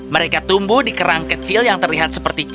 mereka tumbuh di kerang kecil yang terlihat seperti caba